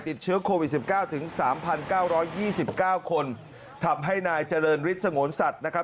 ติดเชื้อโควิด๑๙ถึงสามพันเก้าร้อยยี่สิบเก้าคนทำให้นายเจริญฤทธิ์สงสัตว์นะครับ